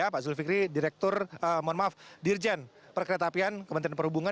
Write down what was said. pak zulfikri direktur dirjen perkereta apian kementerian perhubungan